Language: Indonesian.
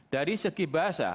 dari segi bahasa